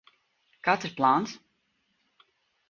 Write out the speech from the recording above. Kāds ir plāns?